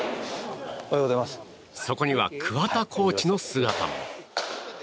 そこには、桑田コーチの姿も。